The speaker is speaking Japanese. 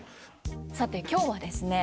さて今日はですね